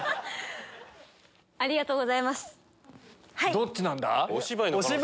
どっちなんだ？